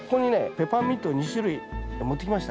ペパーミント２種類持ってきました。